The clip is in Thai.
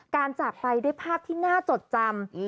จากไปด้วยภาพที่น่าจดจำ